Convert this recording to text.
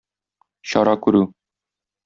Чара күрү